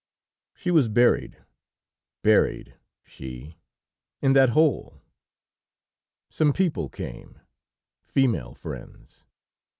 "She was buried! Buried! She! In that hole! Some people came female friends.